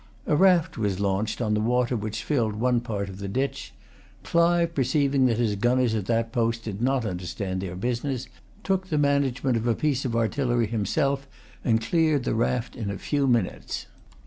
A raft was launched on the water which filled one part of the ditch. Clive, perceiving that his gunners at that post did not understand their business, took the management of a piece of artillery himself, and cleared the raft in a few minutes.